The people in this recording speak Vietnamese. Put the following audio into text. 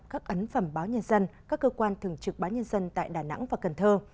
các ấn phẩm báo nhân dân các cơ quan thường trực báo nhân dân tại đà nẵng và cần thơ